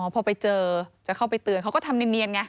พอไปเจอจะเข้าไปเตือนเขาก็ทำเนียนไง